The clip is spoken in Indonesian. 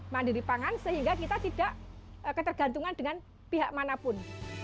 mandiri pangan sehingga kita tidak ketergantungan dengan pihak manapun